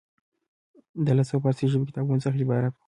دا له څو فارسي ژبې کتابونو څخه عبارت وه.